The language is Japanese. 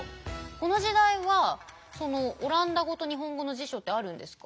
この時代はそのオランダ語と日本語の辞書ってあるんですか？